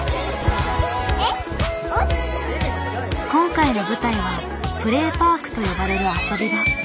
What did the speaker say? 今回の舞台は「プレーパーク」と呼ばれる遊び場。